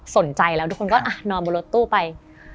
สนใจแล้วทุกคนก็นอนบนรถตู้ไป